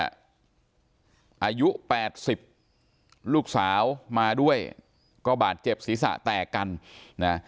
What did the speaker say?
อายุ๘๐ลูกสาวมาด้วยก็บาดเจ็บศีรษะแตกกันนะ